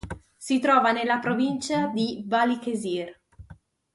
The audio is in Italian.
Si trova nella provincia di Balıkesir.